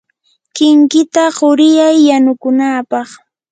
kinkita quriyay yanukunapaq.